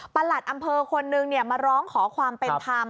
หลัดอำเภอคนนึงมาร้องขอความเป็นธรรม